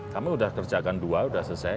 kami sudah kerjakan dua sudah selesai